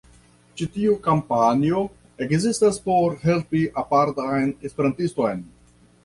Ĉi tiu kampanjo ekzistas por helpi apartan Esperantiston